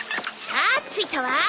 さあ着いたわ。